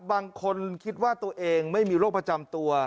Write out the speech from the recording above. บางคนคิดว่าตัวเองไม่มีโรคประจำตัว